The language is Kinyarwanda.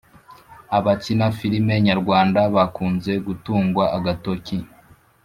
abakina filime nyarwanda bakunze gutungwa agatoki